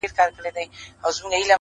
د هر يزيد زړه کي ايله لکه لړم ښه گراني _